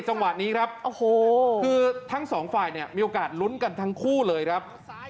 จังหวะนี้ครับโอ้โหคือทั้งสองฝ่ายเนี่ยมีโอกาสลุ้นกันทั้งคู่เลยครับ